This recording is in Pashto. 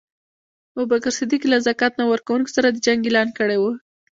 ابوبکر صدیق له ذکات نه ورکونکو سره د جنګ اعلان کړی وو.